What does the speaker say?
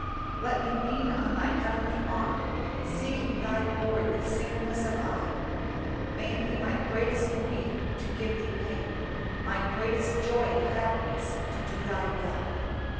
Let me lean on Thy heavenly arm, seeking Thy glory with singleness of eye. May it be my greatest grief to give Thee pain, my greatest joy and happiness to do Thy will.